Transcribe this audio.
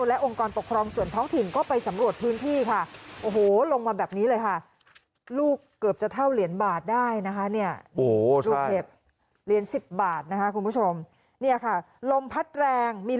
และองค์กรปกครองส่วนท้องถิ่นก็ไปสำรวจพื้นที่ค่ะ